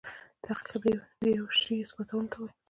تحقیق دیوه شي اثباتولو ته وايي.